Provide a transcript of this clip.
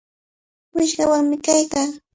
Wishqawanmi kaykaa.